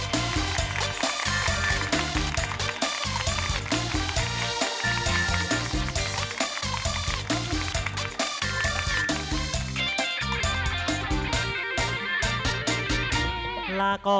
สวัสดีครับ